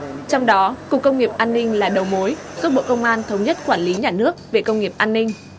trong đó cục công nghiệp an ninh là đầu mối giúp bộ công an thống nhất quản lý nhà nước về công nghiệp an ninh